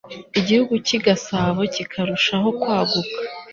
igihugu cy'I Gasabo kikarushaho kwaguka.